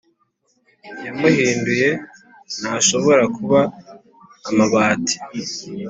yamuhinduye ntashobora kuba amabati &